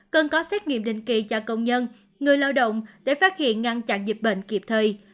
cần có xét nghiệm định kỳ cho công nhân người lao động để phát hiện ngăn chặn dịch bệnh kịp thời